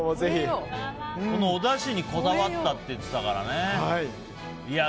このおだしにこだわったって言っていたからね。